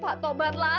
pak tobat lah